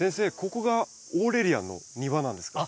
ここがオーレリアンの庭なんですか？